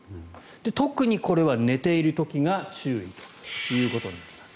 特にこれは寝ている時が注意ということになります。